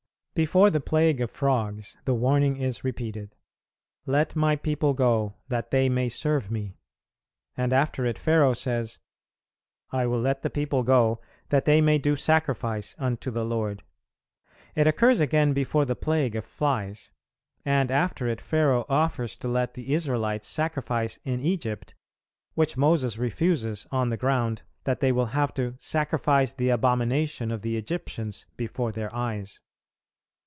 Before the plague of frogs the warning is repeated, "Let My people go that they may serve Me;" and after it Pharaoh says, "I will let the people go, that they may do sacrifice unto the Lord." It occurs again before the plague of flies; and after it Pharaoh offers to let the Israelites sacrifice in Egypt, which Moses refuses on the ground that they will have to "sacrifice the abomination of the Egyptians before their eyes."